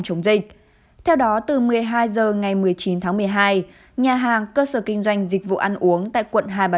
chống dịch theo đó từ một mươi hai h ngày một mươi chín tháng một mươi hai nhà hàng cơ sở kinh doanh dịch vụ ăn uống tại quận hai bà